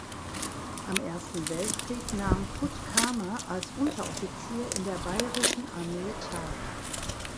Am Ersten Weltkrieg nahm Puttkamer als Unteroffizier in der bayerischen Armee teil.